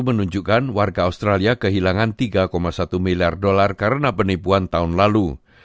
menunjukkan warga australia kehilangan tiga satu miliar dolar karena penipuan tahun lalu